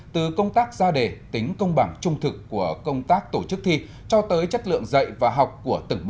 từ công tác ra đề tính công bằng trung thực của công tác tổ chức thi cho tới chất lượng dạy và học của tầng một